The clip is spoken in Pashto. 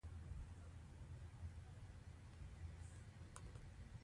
د احمدشاه بابا ژوند د ویاړونو څخه ډک و.